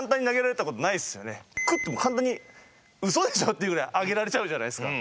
クッて簡単にうそでしょっていうぐらいあげられちゃうじゃないですか。